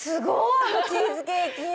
あのチーズケーキ。